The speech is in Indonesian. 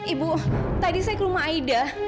ibu tadi saya ke rumah aida